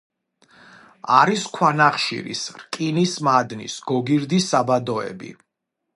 არის ქვანახშირის, რკინის მადნის, გოგირდის საბადოები.